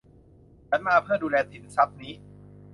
ฉันมาเพื่อดูแลสินทรัพย์นี้